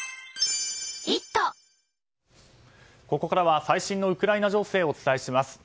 ここからは最新のウクライナ情勢をお伝えします。